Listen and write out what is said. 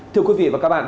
thưa quý vị và các bạn